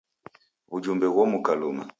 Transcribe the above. W'ujumbe ghomuka luma.